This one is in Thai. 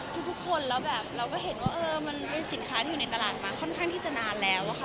ทุกคนแล้วแบบเราก็เห็นว่ามันเป็นสินค้าที่อยู่ในตลาดมาค่อนข้างที่จะนานแล้วค่ะ